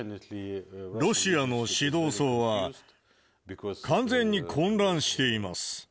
ロシアの指導層は完全に混乱しています。